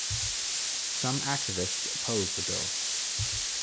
Some activists oppose the bill.